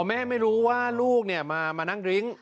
อ๋อแม่ไม่รู้ว่าลูกเนี่ยมานั่งลิ้ง